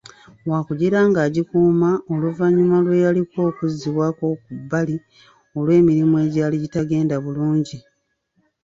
Waakugira ng'agikuuma oluvannyuma lw'eyaliko okuzzibwako ku bbali olw'emirimu egyali gitagenda bulungi.